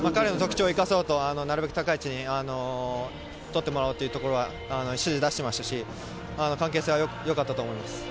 彼の特徴を生かそうとなるべく高い位置を取ってもらおうというところで指示を出していましたし、関係性はよかったと思います。